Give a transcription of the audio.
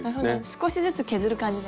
少しずつ削る感じで。